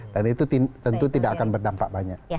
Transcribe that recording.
dan itu tentu tidak akan berdampak banyak